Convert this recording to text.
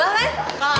gue jahat banget